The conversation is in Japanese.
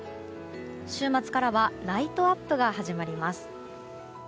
週末からはライトアップが始まります。